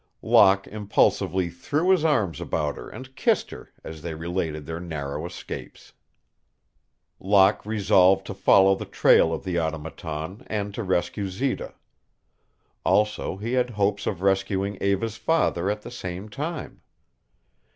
Locke impulsively threw his arms about her and kissed her as they related their narrow escapes. Locke resolved to follow the trail of the Automaton and to rescue Zita. Also he had hopes of rescuing Eva's father at the same time.